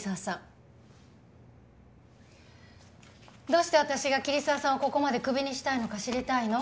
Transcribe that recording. どうして私が桐沢さんをここまでクビにしたいのか知りたいの？